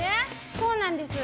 そうなんです。